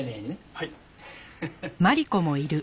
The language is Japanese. はい。